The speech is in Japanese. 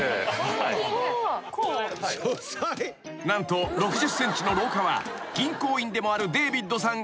［何と６０ｃｍの廊下は銀行員でもあるデービッドさん